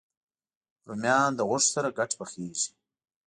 رومیان له غوښو سره ګډ پخېږي